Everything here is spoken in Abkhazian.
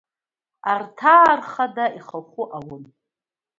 Арҭаа рхада ихахәы ауын…